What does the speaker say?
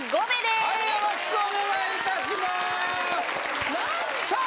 はいよろしくお願いいたしまーすさあ